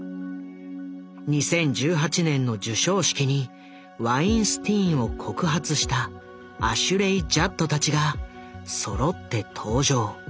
２０１８年の授賞式にワインスティーンを告発したアシュレイ・ジャッドたちがそろって登場。